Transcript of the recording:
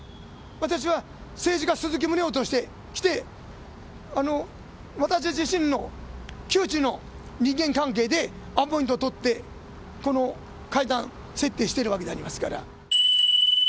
私は政治家、鈴木宗男として来て、私自身の旧知の人間関係でアポイント取って、この会談設定しているわけでありますから。